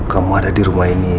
kamu ada di rumah ini